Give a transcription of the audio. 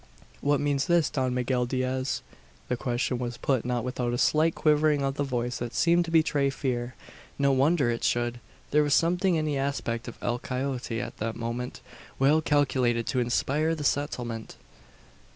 "What means this, Don Miguel Diaz?" The question was put not without a slight quivering of the voice that seemed to betray fear. No wonder it should. There was something in the aspect of El Coyote at that moment well calculated to inspire the sentiment.